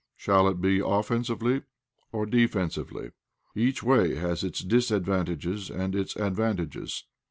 Shall it be offensively or defensively? Each way has its disadvantages and its advantages.